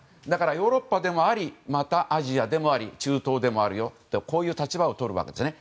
ヨーロッパでもありアジアでもあり中東でもあるよという立場をとるわけですね。